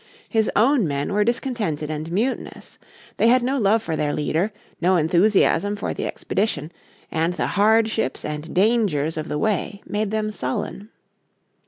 His own men were discontented and mutinous. They had no love for their leader, no enthusiasm for the expedition, and the hardships and dangers of the way made them sullen.